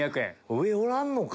上おらんのか。